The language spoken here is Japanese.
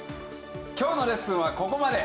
今日のレッスンはここまで。